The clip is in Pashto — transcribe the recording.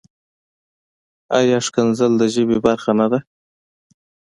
ایا کنځل د ژبې برخه نۀ ده؟